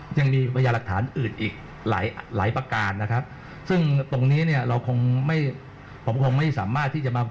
จังมีประยาคสายอื่นหลายประกาศนะครับซึ่งตรงนี้เนี่ยเราคงไม่อากงไม่สามารถที่จะมา